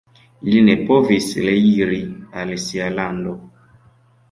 Ili ne povis reiri al sia lando.